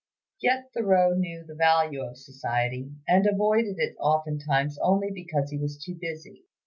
Yet Thoreau knew the value of society, and avoided it oftentimes only because he was too busy.